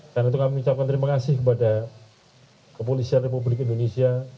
dan itu kami mengucapkan terima kasih kepada kepolisian republik indonesia